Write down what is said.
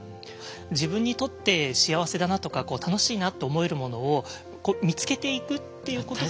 自分にとって幸せだなとか楽しいなと思えるものを見つけていくっていうことが。